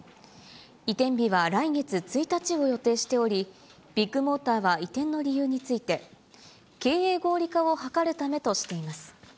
移転日は来月１日を予定しており、ビッグモーターは移転の理由について、経営合理化を図るためとしています。